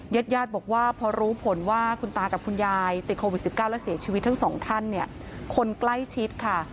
ญาติญาติบอกว่าพอรู้ผลว่าคุณตากับคุณยายติดโควิด๑๙และเสียชีวิตทั้งสองท่านเนี่ยคนใกล้ชิดค่ะ